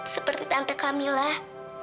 seperti tante kamilah